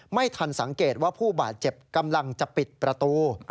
ไม่ทันสังเกตว่าผู้บาดเจ็บกำลังจะปิดประตู